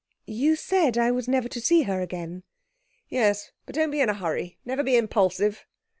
'You said I was never to see her again.' 'Yes; but don't be in a hurry. Never be impulsive.'